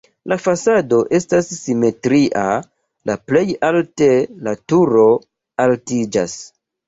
La fasado estas simetria, la plej alte la turo altiĝas.